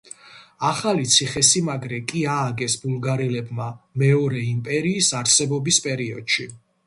ახალი ციხესიმაგრე კი ააგეს ბულგარელებმა მეორე იმპერიის არსებობის პერიოდში.